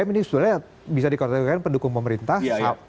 dan dua deddy ini sebetulnya bisa dikontrolkan pendukung pemerintah